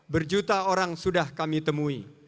berjuta orang sudah kami temui